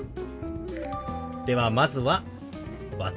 ではまずは「私」。